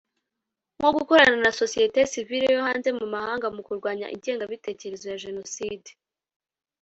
nko gukorana na société civile yo hanze mu mahanga mu kurwanya ingengabitekerezo ya Jenoside